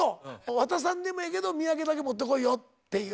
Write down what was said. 渡さんでもええけど土産だけ持ってこいよっていう。